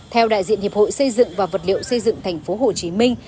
theo đại diện hiệp hội xây dựng và vật liệu xây dựng tp hcm